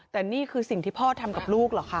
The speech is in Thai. แต่นี่คือสิ่งที่พ่อทำกับลูกเหรอคะ